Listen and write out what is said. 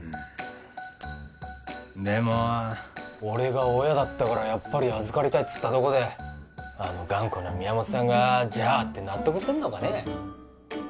俺が親だったからやっぱり預かりたいつったとこであの頑固な宮本さんが「じゃあ」って納得すんのかね